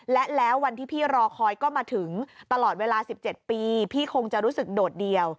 และแล้ววันที่พี่รอคอยก็มาถึงตลอดเวลา๑๗ปีพี่คงจะรู้สึกโดดเดี่ยว